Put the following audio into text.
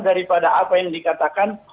daripada apa yang dikatakan